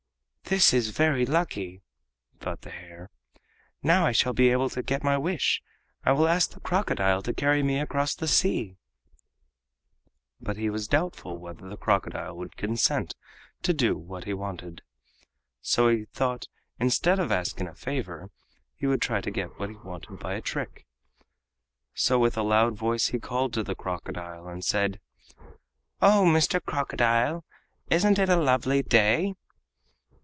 "This is very lucky!" thought the hare. "Now I shall be able to get my wish. I will ask the crocodile to carry me across the sea!" But he was doubtful whether the crocodile would consent to do what wanted. So he thought instead of asking a favor he would try to get what he wanted by a trick. So with a loud voice he called to the crocodile, and said: "Oh, Mr. Crocodile, isn't it a lovely day?"